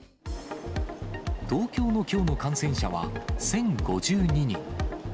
東京のきょうの感染者は１０５２人。